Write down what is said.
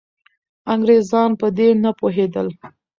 انګریزان په دې نه پوهېدل.